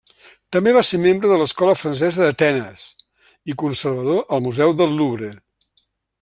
També va ser membre de l'Escola francesa d'Atenes i conservador al museu del Louvre.